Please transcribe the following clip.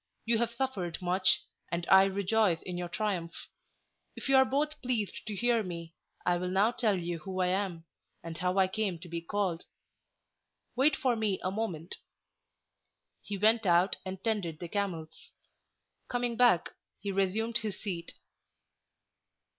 You have suffered much, and I rejoice in your triumph. If you are both pleased to hear me, I will now tell you who I am, and how I came to be called. Wait for me a moment." He went out and tended the camels; coming back, he resumed his seat.